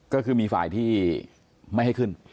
ก็คือมีฝ่ายที่ไม่ให้ขึ้น